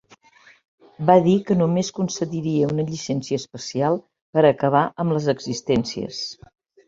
Va dir que només concediria una llicència especial per acabar amb les existències.